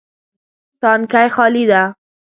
تانکی خالي ده